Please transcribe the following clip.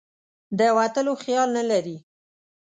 د وتلو خیال نه لري.